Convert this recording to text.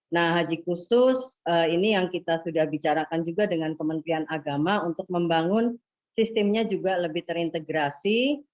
nah haji khusus ini yang kita sudah bicarakan juga dengan kementerian agama untuk membangun sistemnya juga lebih terintegrasi